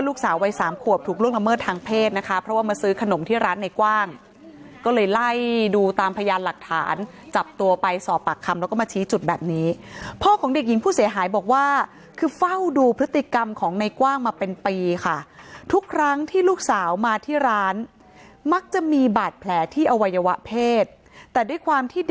ลูกสาววัยสามขวบถูกล่วงละเมิดทางเพศนะคะเพราะว่ามาซื้อขนมที่ร้านในกว้างก็เลยไล่ดูตามพยานหลักฐานจับตัวไปสอบปากคำแล้วก็มาชี้จุดแบบนี้พ่อของเด็กหญิงผู้เสียหายบอกว่าคือเฝ้าดูพฤติกรรมของในกว้างมาเป็นปีค่ะทุกครั้งที่ลูกสาวมาที่ร้านมักจะมีบาดแผลที่อวัยวะเพศแต่ด้วยความที่ด